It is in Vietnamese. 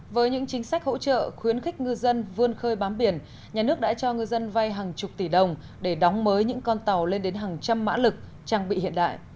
với những chính sách hỗ trợ khuyến khích ngư dân vươn khơi bám biển nhà nước đã cho ngư dân vay hàng chục tỷ đồng để đóng mới những con tàu lên đến hàng trăm mã lực trang bị hiện đại